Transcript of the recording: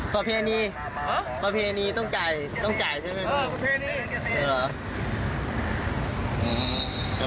ก็เพียงนี้นะครับ